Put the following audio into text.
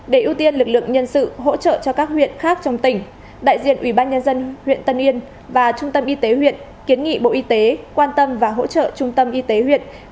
để ưu tiên lực lượng nhân sự hỗ trợ cho các huyện khác trong tỉnh đại diện ủy ban nhân dân huyện tân yên và trung tâm y tế huyện kiến nghị bộ y tế quan tâm và hỗ trợ trung tâm y tế huyện